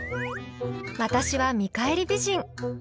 私は「見返り美人」。